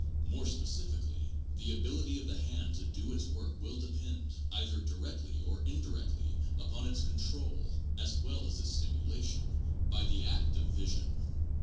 More specifically, the ability of the hand to do its work will depend, either directly or indirectly, upon its control, as well as its stimulation, by the act of vision.